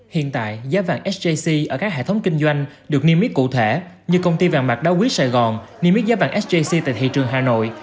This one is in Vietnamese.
hiện tại giá vàng sjc ở các hệ thống kinh doanh được niêm yết cụ thể như công ty vàng bạc đá quý sài gòn niêm yết giá vàng sjc tại thị trường hà nội